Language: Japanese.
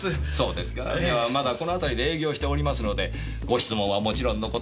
ではまだこの辺りで営業しておりますのでご質問はもちろんの事